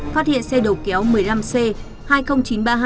phát hiện xe đầu kéo một mươi năm c hai nghìn chín mươi năm